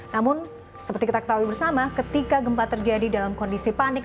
namun seperti kita ketahui bersama ketika gempa terjadi dalam kondisi panik